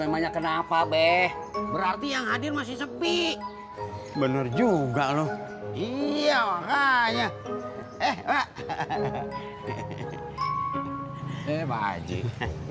enak aja alia puasa sebulan penuh